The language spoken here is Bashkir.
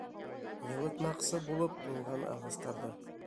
Йылытмаҡсы булып туңған ағастарҙы.